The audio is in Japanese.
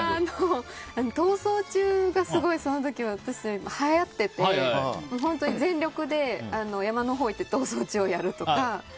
「逃走中」がすごいその時にはやっていて全力で山のほうに行って「逃走中」をやるとか。